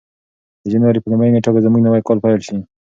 د جنوري په لومړۍ نېټه به زموږ نوی کال پیل شي.